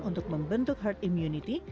untuk membentuk herd immunity